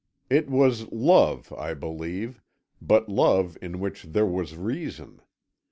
It was love, I believe, but love in which there was reason.